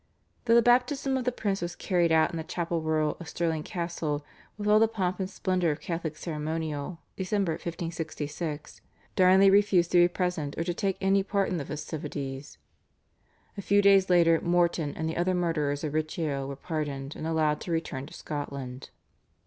Though the baptism of the prince was carried out in the chapel royal of Stirling Castle with all the pomp and splendour of Catholic ceremonial (December 1566) Darnley refused to be present or to take any part in the festivities. A few days later Morton and the other murderers of Riccio were pardoned, and allowed to return to Scotland.